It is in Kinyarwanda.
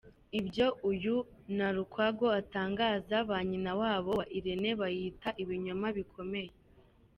Ibyo uyu Nalukwago atangaza, ba nyina wabo wa Irene bayita ibinyoma bikomeye.